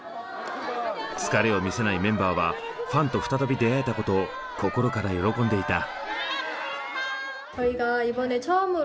疲れを見せないメンバーはファンと再び出会えたことを心から喜んでいた。